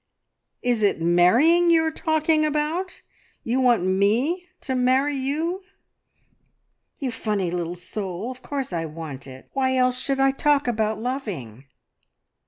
"Is it marrying you are talking about? You want me to marry you?" "You funny little soul. Of course I want it. Why else should I talk about loving?"